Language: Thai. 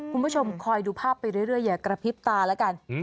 คุณผู้ชมคอยดูภาพไปเรื่อยอย่ากระพริบตาแล้วกัน